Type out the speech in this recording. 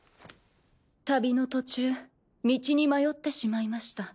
旅の途中道に迷ってしまいました。